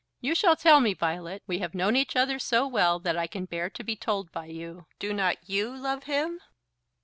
"You shall tell me, Violet. We have known each other so well that I can bear to be told by you. Do not you love him?"